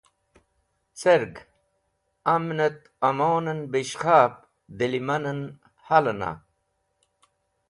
Cẽrg amnẽt amonẽn bẽshkhab dẽlẽmanẽn halẽna?